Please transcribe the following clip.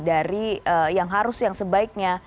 dari yang harus yang sebaiknya